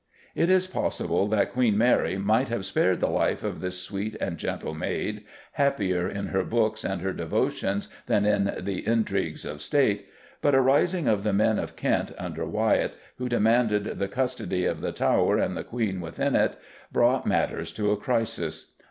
It is possible that Queen Mary might have spared the life of this sweet and gentle maid, happier in her books and her devotions than in the intrigues of State, but a rising of the men of Kent, under Wyatt, who demanded the "custody of the Tower and the Queen within it," brought matters to a crisis.